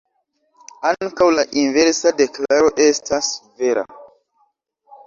Ankaŭ la inversa deklaro estas vera.